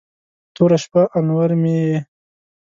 توره شپه، انور مې یې